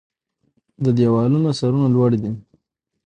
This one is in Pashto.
د دیوالونو سرونه لوړ دی